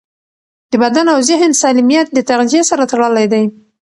د بدن او ذهن سالمیت د تغذیې سره تړلی دی.